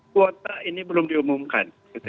kuota ini belum diumumkan